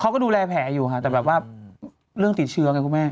เขาก็ดูแลแผลอยู่ค่ะแต่แบบว่าเรื่องติดเชื้อไงคุณแม่